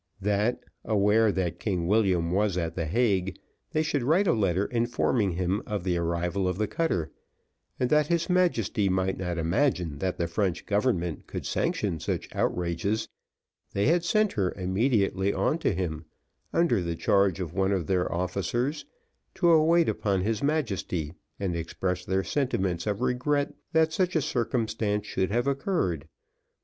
That, aware that King William was at the Hague, they should write a letter informing him of the arrival of the cutter; and that his Majesty might not imagine that the French government could sanction such outrages, they had sent her immediately on to him, under the charge of one of their officers, to wait upon his Majesty, and express their sentiments of regret that such a circumstance should have occurred.